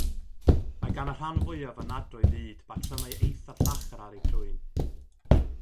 Mae gan y rhan fwyaf o nadroedd ŷd batrymau eithaf llachar ar eu crwyn.